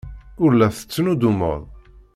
Ur la tettnuddumeḍ.